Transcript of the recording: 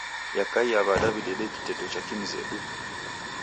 Yakaia w'ada w'idede kiteto cha kimzedu?